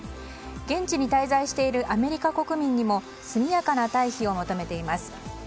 現地に滞在しているアメリカ国民にもすみやかな退避を求めています。